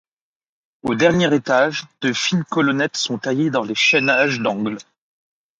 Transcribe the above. Au dernier étage, de fines colonnettes sont taillées dans les chaînages d'angle.